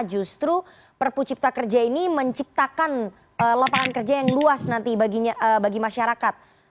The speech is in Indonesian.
justru perpu cipta kerja ini menciptakan lapangan kerja yang luas nanti bagi masyarakat